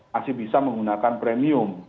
masih bisa menggunakan premium